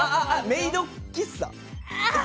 メイド喫茶？